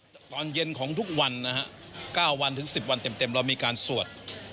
แต่ตอนเย็นของทุกวันนะฮะ๙วันถึง๑๐วันเต็มเรามีการสวด